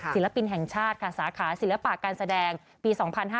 ศิลปินแห่งชาติค่ะสาขาศิลปะการแสดงปี๒๕๕๙